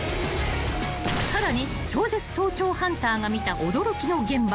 ［さらに超絶盗聴ハンターが見た驚きの現場］